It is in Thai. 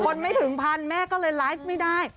ไม่ถึงพันแม่ก็เลยไลฟ์ไม่ได้